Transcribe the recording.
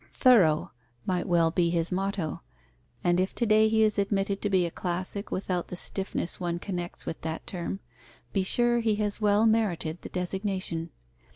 "Thorough" might well be his motto, and if to day he is admitted to be a classic without the stiffness one connects with that term, be sure he has well merited the designation.